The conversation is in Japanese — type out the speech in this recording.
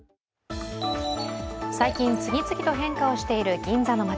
最近、次々と変化をしている銀座の街。